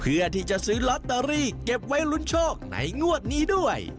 เพื่อที่จะซื้อลอตเตอรี่เก็บไว้ลุ้นโชคในงวดนี้ด้วย